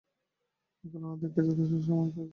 এখন উহাদিগকে যথোচিত সম্মান করা উচিত।